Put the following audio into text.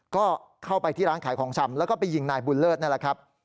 ก็เข้าไปที่ร้านขายของชำแล้วก็ไปยิงนายบุญเลิศนั่นแหละครับ